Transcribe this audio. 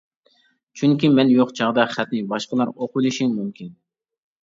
چۈنكى مەن يوق چاغدا خەتنى باشقىلار ئوقۇۋېلىشى مۇمكىن.